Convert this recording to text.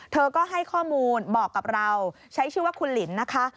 เธอก็ให้ข้อมูลบอกกับเราใช้ชื่อว่าคุณหลินนะคะ